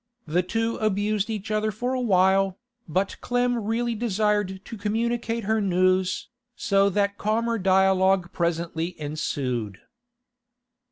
The two abused each other for a while, but Clem really desired to communicate her news, so that calmer dialogue presently ensued.